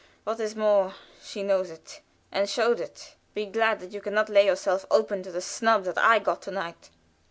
What is more, she knows it, and shows it. Be glad that you can not lay yourself open to the snub that I got to night."